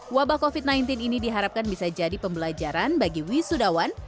wabah covid sembilan belas ini diharapkan bisa jadi pembelajaran bagi wisudawan